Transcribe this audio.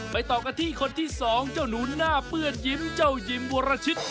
ต่อกันที่คนที่สองเจ้าหนูหน้าเปื้อนยิ้มเจ้ายิมวรชิต